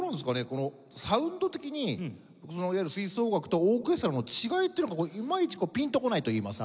このサウンド的にいわゆる吹奏楽とオーケストラの違いっていうのがいまいちこうピンとこないといいますか。